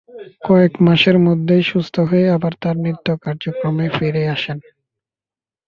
কয়েক মাসের মধ্যেই সুস্থ হয়ে আবার তার নিত্য কার্যক্রমে ফিরে আসেন।